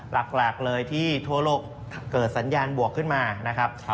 หลักเลยที่ทั่วโลกเกิดสัญญาณบวกขึ้นมานะครับ